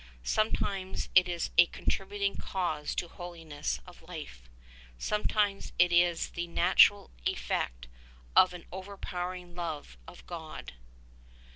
Sometimes it is a contributing cause to holiness of life; sometimes it is the natural effect of an overpowering love of God.